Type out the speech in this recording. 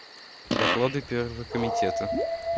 Доклады Первого комитета.